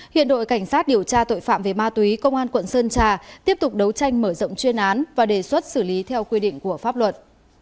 hiện đội cảnh sát điều tra tội phạm về ma túy công an quận sơn trà tiếp tục đấu tranh mở rộng chuyên án và đề xuất xử lý theo quy định của pháp luật